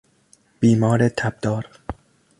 بیمار تبدار